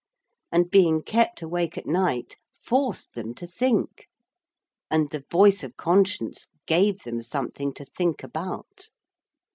And being kept awake at night forced them to think. And the 'voice of conscience' gave them something to think about.